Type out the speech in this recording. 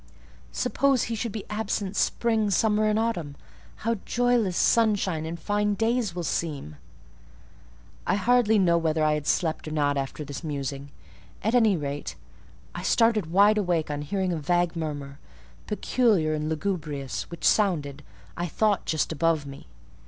Suppose he should be absent spring, summer, and autumn: how joyless sunshine and fine days will seem!" I hardly know whether I had slept or not after this musing; at any rate, I started wide awake on hearing a vague murmur, peculiar and lugubrious, which sounded, I thought, just above me.